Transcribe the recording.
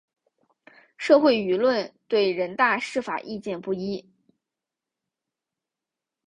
社会舆论对人大释法意见不一。